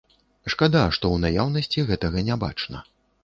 Шкада, што ў наяўнасці гэтага не бачна.